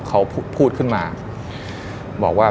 เขาพูดขึ้นมาบอกว่า